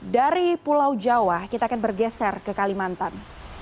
dari pulau jawa kita akan bergeser ke kalimantan